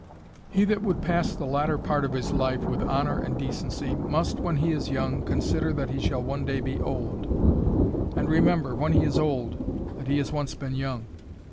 He that would pass the latter part of his life with honour and decency, must, when he is young, consider that he shall one day be old; and remember, when he is old, that he has once been young.